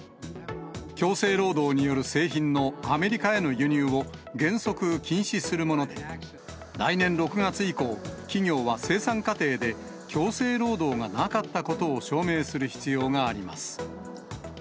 強制労働による製品のアメリカへの輸入を原則禁止するもので、来年６月以降、企業は生産過程で強制労働がなかったことを証明する必要があります。